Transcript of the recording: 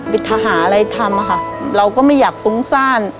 ทหารอะไรทำค่ะเราก็ไม่อยากฟุ้งซ่าน